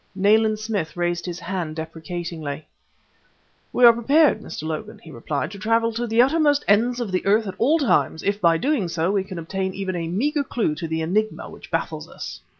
Nayland Smith raised his hand deprecatingly. "We are prepared, Mr. Logan," he replied, "to travel to the uttermost ends of the earth at all times, if by doing so we can obtain even a meager clue to the enigma which baffles us."